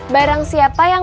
barang siapa yang